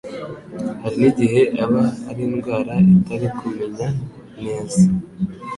hari n'igihe aba ari indwara itari kumenya neza